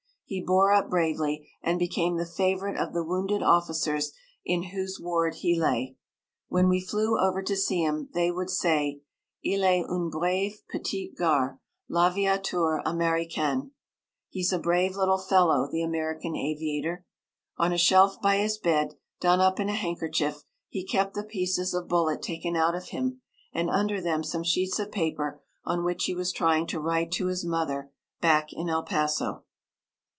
He bore up bravely, and became the favourite of the wounded officers in whose ward he lay. When we flew over to see him they would say: Il est un brave petit gars, l'aviateur américain. [He's a brave little fellow, the American aviator.] On a shelf by his bed, done up in a handkerchief, he kept the pieces of bullet taken out of him, and under them some sheets of paper on which he was trying to write to his mother, back in El Paso.